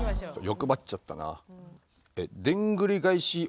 欲張っちゃったな。